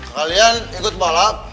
kalian ikut balap